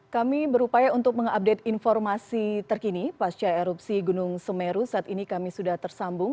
kami berupaya untuk mengupdate informasi terkini pasca erupsi gunung semeru saat ini kami sudah tersambung